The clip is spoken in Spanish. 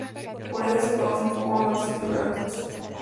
Por ello se conocen pocos datos biográficos.